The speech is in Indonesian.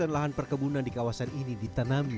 lahan perkebunan di kawasan ini ditanami